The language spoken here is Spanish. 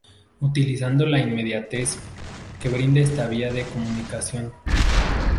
Utilizando la inmediatez, que brinda esta vía de comunicación.